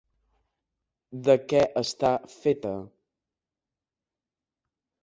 De què està feta?